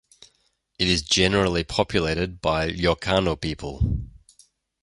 It is generally populated by Ilocano people.